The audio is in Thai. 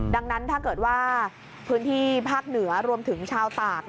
ดังนั้นถ้าเกิดว่าพื้นที่ภาคเหนือรวมถึงชาวตาก